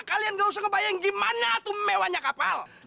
kalian nggak usah ngebayang gimana tuh mewahnya kapal